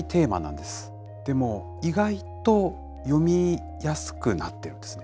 でも、意外と読みやすくなってるんですね。